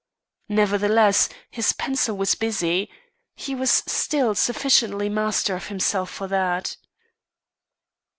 Nevertheless, his pencil was busy; he was still sufficiently master of himself for that.